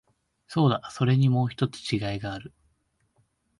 そうだ、それにもう一つ違いがある。